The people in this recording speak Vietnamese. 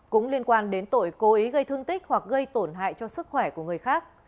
cũng liên quan đến tội cố ý gây thương tích hoặc gây tổn hại cho sức khỏe của người khác